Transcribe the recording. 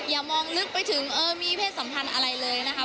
อย่ามองลึกไปถึงเออมีเพศสัมพันธ์อะไรเลยนะครับ